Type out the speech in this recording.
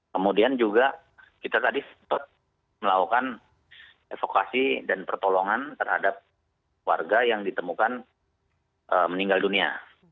kemudian juga kita tadi sempat melakukan evakuasi dan pertolongan terhadap warga yang ditemukan meninggal dunia